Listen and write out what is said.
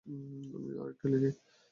আমি আরেকটা লিখি?